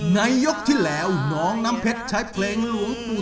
ยกที่แล้วน้องน้ำเพชรใช้เพลงหลวงปู่